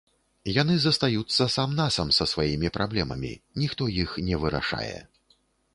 Яны застаюцца сам-насам са сваімі праблемамі, ніхто іх не вырашае.